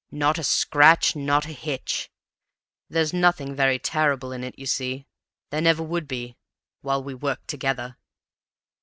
Not a scratch not a hitch! There's nothing very terrible in it, you see; there never would be, while we worked together."